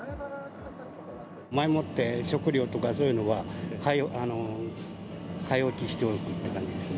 前もって食料とか、そういうのは買い置きしておくっていう感じですね。